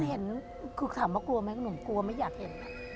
มันเห็นคือถามว่ากลัวไหมผมกลัวไม่อยากเห็นอ่ะ